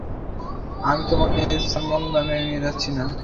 আমি তোমাকে স্যালমন রানে নিয়ে যাচ্ছি না।